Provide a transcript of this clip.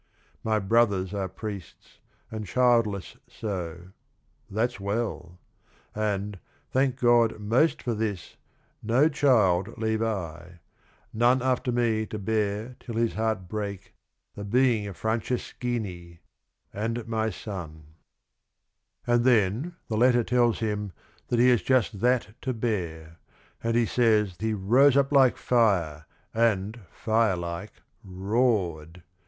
My brothers are priests, and childless so; that 's well — And, thank God most for this, no child leave I — None after me to bear till his heart break The being a Franceschini and my son I '" And then the letter tells him that he has just that to bear, and he says he "rose up like fire, and fire like roared."